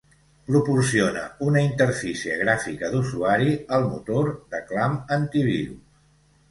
Proporciona una interfície gràfica d'usuari al motor de Clam AntiVirus.